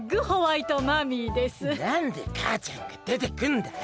なんでかあちゃんがでてくんだよ！